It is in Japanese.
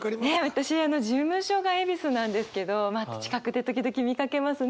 私あの事務所が恵比寿なんですけど近くで時々見かけますね